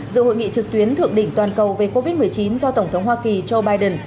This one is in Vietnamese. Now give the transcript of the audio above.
dự hội nghị trực tuyến thượng đỉnh toàn cầu về covid một mươi chín do tổng thống hoa kỳ joe biden